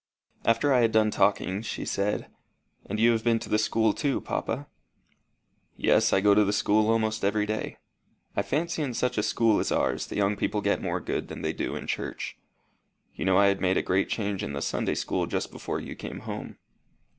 After I had done talking, she said "And you have been to the school too, papa?" "Yes. I go to the school almost every day. I fancy in such a school as ours the young people get more good than they do in church. You know I had made a great change in the Sunday school just before you came home."